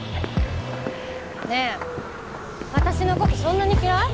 ねえ私の事そんなに嫌い？